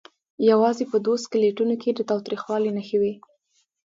یوازې په دوو سکلیټونو کې د تاوتریخوالي نښې وې.